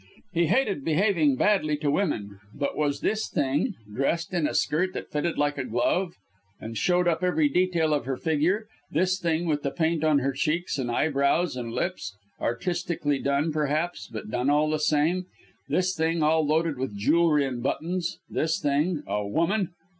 He hated behaving badly to women; but was this thing, dressed in a skirt that fitted like a glove and showed up every detail of her figure this thing with the paint on her cheeks, and eyebrows, and lips artistically done, perhaps, but done all the same this thing all loaded with jewellery and buttons this thing a woman!